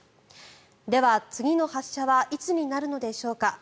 では、次の発射はいつになるのでしょうか。